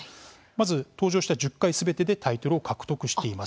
まず、登場した１０回すべてでタイトルを獲得しています。